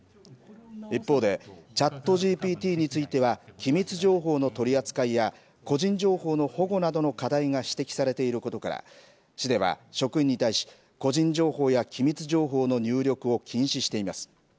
一方でＣｈａｔＧＰＴについては機密情報の取り扱いや個人情報の保護などの課題が指摘されていることから市では職員に対し個人情報や機密情報の入力を禁止しています。